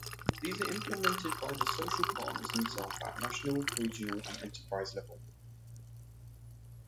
These are implemented by the social partners themselves at national, regional and enterprise level.